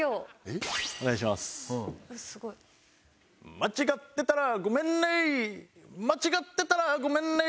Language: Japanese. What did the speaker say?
「間違ってたらごめんね間違ってたらごめんね」